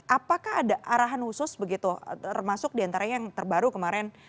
apakah ada arahan khusus begitu termasuk diantaranya yang terbaru kemarin